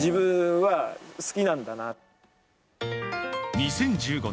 ２０１５年